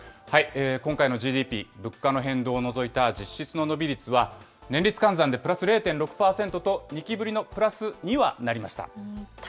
今回のＧＤＰ、物価の変動を除いた実質の伸び率は、年率換算でプラス０．６％と２期ぶりのプラスにはなりました。